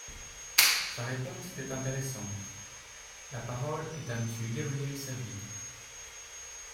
Sa réponse était intéressante ! La parole est à Monsieur Gabriel Serville.